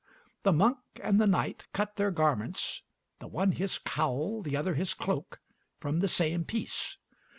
The monk and the knight cut their garments, the one his cowl, the other his cloak, from the same piece.